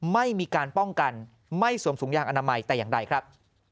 ไม่มีการป้องกันไม่สวมถุงยางอนามัยแต่อย่างใดครับ